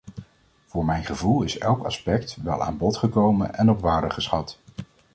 Voor mijn gevoel is elk aspect wel aan bod gekomen en op waarde geschat.